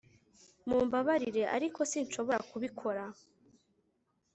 mumbabarire, ariko sinshobora kubikora